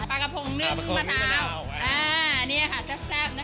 ปลากระโพงนึ่งมะนาวอันนี้ค่ะแซ่บนะคะ